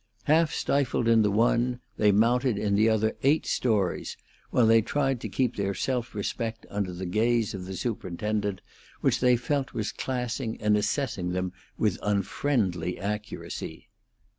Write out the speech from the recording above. Half stifled in the one, they mounted in the other eight stories, while they tried to keep their self respect under the gaze of the superintendent, which they felt was classing and assessing them with unfriendly accuracy.